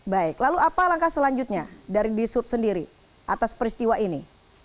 baik lalu apa langkah selanjutnya dari disub sendiri atas peristiwa ini